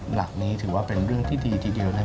หลักนี้ถือว่าเป็นเรื่องที่ดีทีเดียวนะครับ